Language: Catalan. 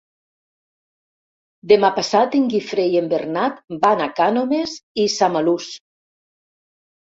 Demà passat en Guifré i en Bernat van a Cànoves i Samalús.